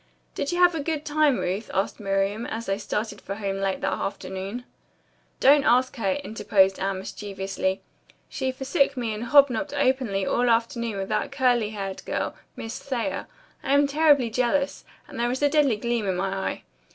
"Did you have a good time, Ruth?" asked Miriam, as they started for home late that afternoon. "Don't ask her," interposed Anne mischievously. "She forsook me and hob nobbed openly all afternoon with that curly haired girl, Miss Thayer. I am terribly jealous, and there is a deadly gleam in my eye."